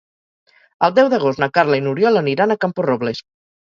El deu d'agost na Carla i n'Oriol aniran a Camporrobles.